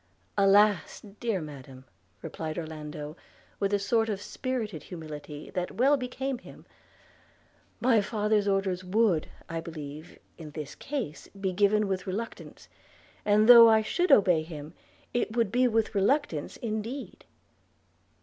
'Alas, dear Madam!' replied Orlando, with a sort of spirited humility that well became him, 'my father's orders would, I believe, in this case be given with reluctance; and though I should obey them, it would be with reluctance indeed!'